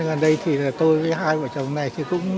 thế gần đây thì tôi với hai vợ chồng này thì cũng